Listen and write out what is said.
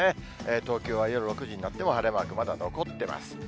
東京は夜の９時になっても晴れマーク、まだ残ってます。